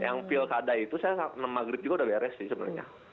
yang pilkada itu saya enam maghrib juga udah beres sih sebenarnya